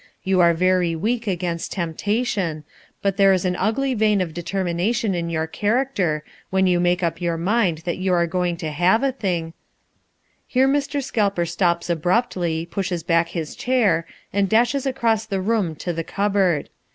You are very weak against temptation, but there is an ugly vein of determination in your character, when you make up your mind that you are going to have a thing " Here Mr. Scalper stops abruptly, pushes back his chair, and dashes across the room to the cupboard.